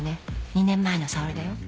２年前の沙織だよ。